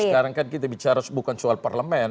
sekarang kan kita bicara bukan soal parlemen